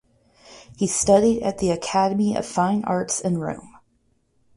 He studied at the Academy of Fine Arts in Rome.